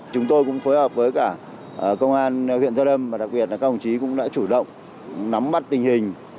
chúng tôi cũng phối hợp với công an huyện gia lâm và đặc biệt là công chí cũng đã chủ động nắm mắt tình hình